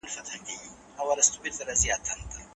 نوې ټیکنالوژي پوهه اسانه کړې ده.